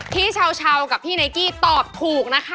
พี่เช้ากับพี่ไนกี้ตอบถูกนะคะ